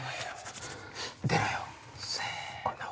出ろよせの。